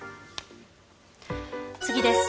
次です。